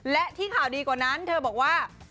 และที่ข่าวดีกว่านั้นเธอบอกว่า